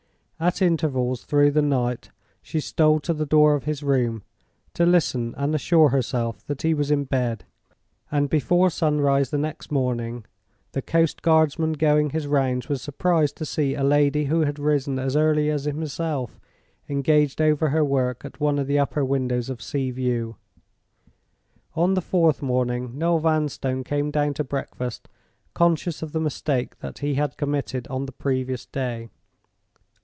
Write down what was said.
At intervals through the night she stole to the door of his room, to listen and assure herself that he was in bed; and before sunrise the next morning, the coast guardsman going his rounds was surprised to see a lady who had risen as early as himself engaged over her work at one of the upper windows of Sea View. On the fourth morning Noel Vanstone came down to breakfast conscious of the mistake that he had committed on the previous day.